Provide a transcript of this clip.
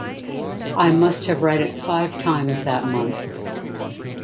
I must have read it five times that month.